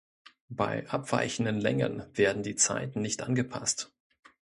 Bei abweichenden Längen werden die Zeiten nicht angepasst.